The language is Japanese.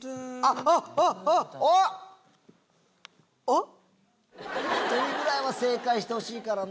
あっ！